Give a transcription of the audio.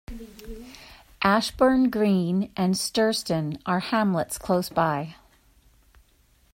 Ashbourne Green and Sturston are hamlets close by.